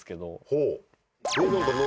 ほう。